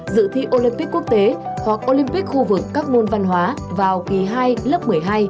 dự thi olympic quốc tế hoặc olympic khu vực các môn văn hóa vào kỳ hai lớp một mươi hai